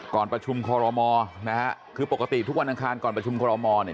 ก่อนประชุมคอรมอนะฮะคือปกติทุกวันอังคารก่อนประชุมคอรมอลเนี่ย